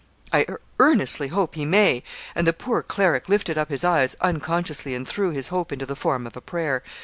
'I earnestly hope he may,' and the poor cleric lifted up his eyes unconsciously and threw his hope into the form of a prayer.